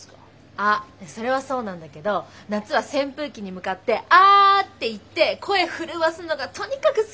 あそれはそうなんだけど夏は扇風機に向かって「あ」って言って声震わすのがとにかく好きだったな。